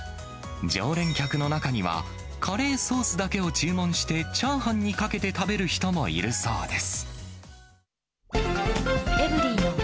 常連客の中には、カレーソースだけを注文して、チャーハンにかけて食べる人もいるそうです。